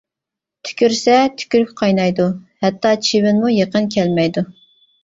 تۈكۈرسە، تۈكۈرۈك قاينايدۇ، ھەتتا چىۋىنمۇ يېقىن كەلمەيدۇ.